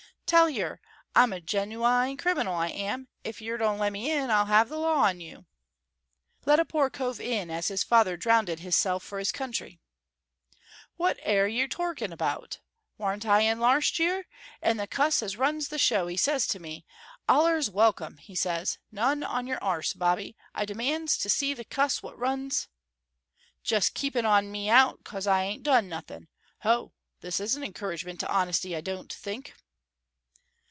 "Tell yer, I'm a genooine criminal, I am. If yer don't lemme in I'll have the lawr on you." "Let a poor cove in as his father drownded hisself for his country." "What air yer torking about? Warn't I in larst year, and the cuss as runs the show, he says to me, 'Allers welcome,' he says. None on your sarse, Bobby. I demands to see the cuss what runs " "Jest keeping on me out 'cos I ain't done nothin'. Ho, this is a encouragement to honesty, I don't think."